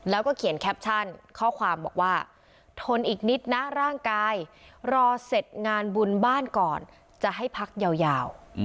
แล้วก็เขียนแคปชั่นข้อความบอกว่าทนอีกนิดนะร่างกายรอเสร็จงานบุญบ้านก่อนจะให้พักยาว